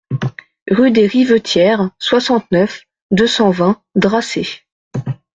Rue des Rivetières, soixante-neuf, deux cent vingt Dracé